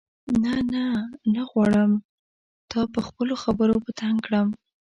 نه نه نه غواړم تا په خپلو خبرو په تنګ کړم.